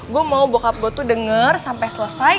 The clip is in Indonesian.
gue mau bockup gue tuh denger sampai selesai